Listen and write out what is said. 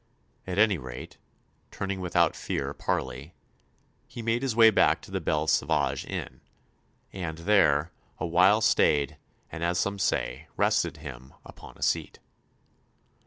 At any rate, turning without further parley, he made his way back to the Bel Savage Inn, and there "awhile stayed, and, as some say, rested him upon a seat."